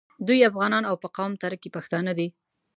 دوی افغانان او په قوم تره کي پښتانه دي.